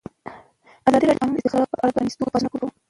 ازادي راډیو د د کانونو استخراج په اړه د پرانیستو بحثونو کوربه وه.